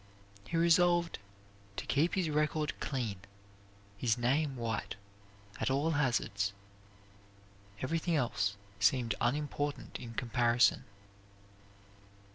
He resolved to keep his record clean, his name white, at all hazards. Everything else seemed unimportant in comparison.